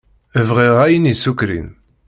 Bɣiɣ ayen isukṛin.